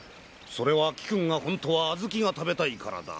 それは貴君がホントは小豆が食べたいからだ。